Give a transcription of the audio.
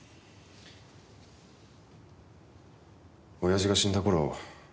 親父が死んだ頃。